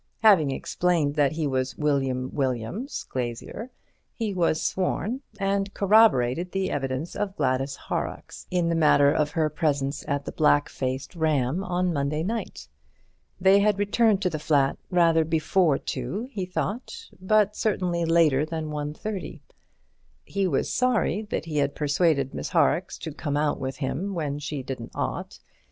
Having explained that he was William Williams, glazier, he was sworn, and corroborated the evidence of Gladys Horrocks in the matter of her presence at the "Black Faced Ram" on the Monday night. They had returned to the flat rather before two, he thought, but certainly later than 1:30. He was sorry that he had persuaded Miss Horrocks to come out with him when she didn't ought.